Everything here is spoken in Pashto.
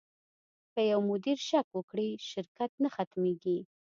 که یو مدیر شک وکړي، شرکت نه ختمېږي.